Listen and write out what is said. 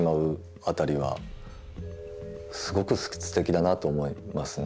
辺りはすごくすてきだなと思いますね。